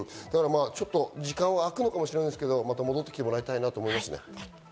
時間はあくかもしれないですけど、また戻ってきてもらいたいなと思いますね。